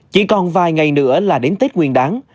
chỉ còn vài ngày nữa là đến tết nguyên đáng